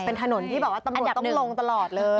เป็นถนนที่แบบว่าตำรวจต้องลงตลอดเลย